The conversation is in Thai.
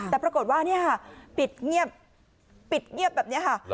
แต่ปรากฏว่าปิดเงียบปิดเงียบแบบนี้ค่ะ